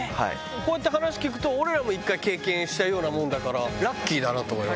こういった話聞くと、俺らも一回経験したようなもんだから、ラッキーだなと思います。